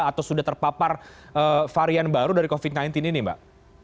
atau sudah terpapar varian baru dari covid sembilan belas ini mbak